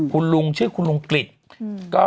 คุณลุงชื่อคุณลุงกริจ